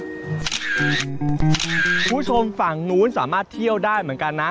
คุณผู้ชมฝั่งนู้นสามารถเที่ยวได้เหมือนกันนะ